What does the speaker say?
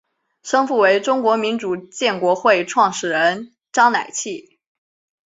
生父为中国民主建国会创始人章乃器。